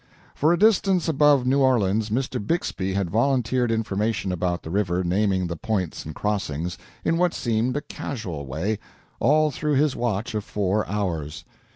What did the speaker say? For a distance above New Orleans Mr. Bixby had volunteered information about the river, naming the points and crossings, in what seemed a casual way, all through his watch of four hours.